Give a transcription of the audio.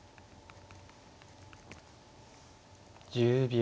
１０秒。